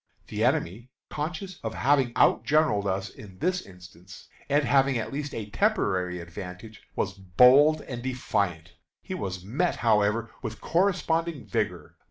The enemy, conscious of having outgeneraled us in this instance, and having at least a temporary advantage, was bold and defiant. He was met, however, with corresponding vigor.